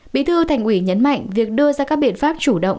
bí thư thành ủy nhấn mạnh việc đưa ra các biện pháp chủ động